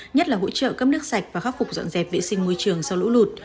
nhất là hỗ trợ cấp nước sạch và khắc phục dọn dẹp vệ sinh môi trường sau lũ lụt